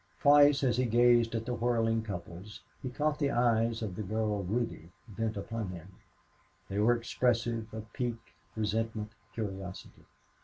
Twice as he gazed at the whirling couples he caught the eyes of the girl Ruby bent upon him. They were expressive of pique, resentment, curiosity.